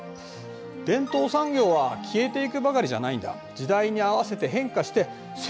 伝統産業は消えていくばかりじゃないんだ。